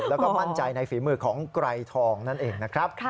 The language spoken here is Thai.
แล้วก็มั่นใจในฝีมือของไกรทองนั่นเองนะครับ